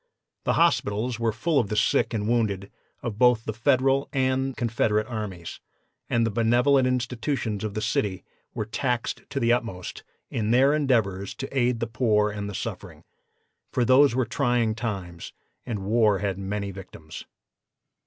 The hospitals were full of the sick and wounded of both the Federal and Confederate armies, and the benevolent institutions of the city were taxed to the utmost in their endeavors to aid the poor and the suffering, for those were trying times, and war has many victims.